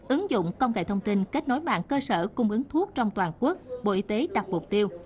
ứng dụng công nghệ thông tin kết nối mạng cơ sở cung ứng thuốc trong toàn quốc bộ y tế đặt mục tiêu